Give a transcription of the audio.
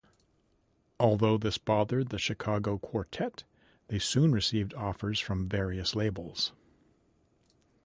Although this bothered the Chicago quartet, they soon received offers from various labels.